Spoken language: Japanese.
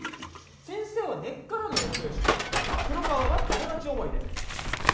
先生は根っからのお人よしで黒川は友達思いで。